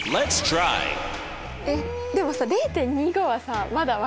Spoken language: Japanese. えっでもさ０．２５はさまだ分かるよね。